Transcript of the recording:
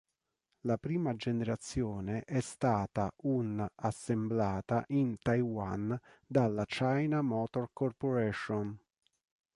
La prima generazione è stata un assemblata in Taiwan dalla China Motor Corporation.